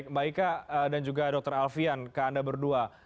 mbak ika dan juga dr alfian ke anda berdua